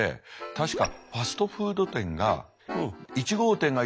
確か。